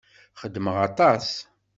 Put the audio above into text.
Xedmeɣ aṭas.